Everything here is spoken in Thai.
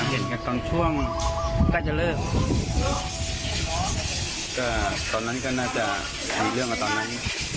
เย็นกันตอนช่วงใกล้จะเลิกก็ตอนนั้นก็น่าจะมีเรื่องกับตอนนั้น